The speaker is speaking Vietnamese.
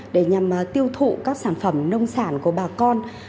để nhằm tiêu thụ các sản phẩm nông sản của bà con